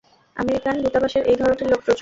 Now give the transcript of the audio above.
American দূতাবাসে এই ধরণের লোক প্রচুর।